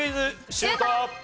シュート！